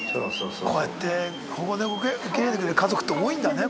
こうやって保護猫受け入れてくれる家族って多いんだね